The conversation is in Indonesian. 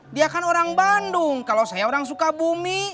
dia kan orang bandung kalau saya orang sukabumi